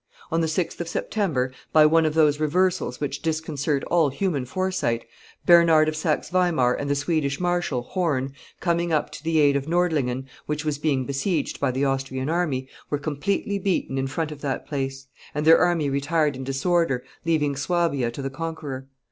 On the 6th of September, by one of those reversals which disconcert all human foresight, Bernard of Saxe Weimar and the Swedish marshal, Horn, coming up to the aid of Nordlingen, which was being besieged by the Austrian army, were completely beaten in front of that place; and their army retired in disorder, leaving Suabia to the conqueror.